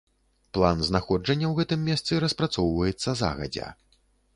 План знаходжання ў гэтым месцы распрацоўваецца загадзя.